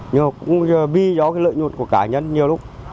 nhưng cũng vì do lợi nhuận của cá nhân nhiều lúc